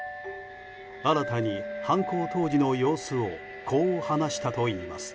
新たに犯行当時の様子をこう話したといいます。